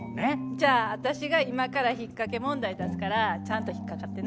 じゃあ私が今から引っかけ問題出すからちゃんと引っかかってな。